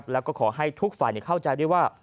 แล้วก็ขอให้ทุกฝ่ายเข้าใจด้วยว่า